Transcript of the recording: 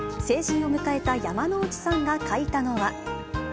成人を迎えた山之内さんが書いたのは。